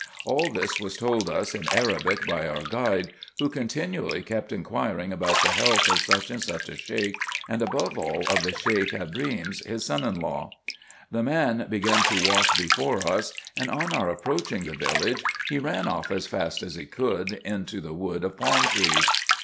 All this was told us in Arabic by ovir guide, who continually kept inquiring about the health of such and such a Sheik, and, above all, of the Sheik Hebrims, his son in law. The man began to walk before us, and on our approaching the village, he ran off as fast as he could into the wood of palm trees.